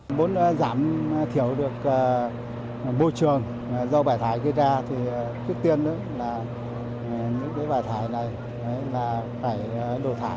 môi trường do bãi thải gây ra thì trước tiên là những cái bãi thải này là phải đổ thải